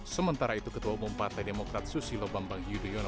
sementara itu ketua pempatai demokrat susilo bambang yudhoyono